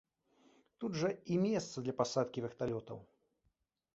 Тут жа і месца для пасадкі верталётаў.